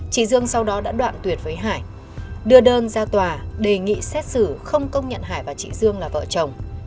chị dương sau đó đã đoạn tuyệt với hải đưa đơn ra tòa đề nghị xét xử không công nhận hải và chị dương là vợ chồng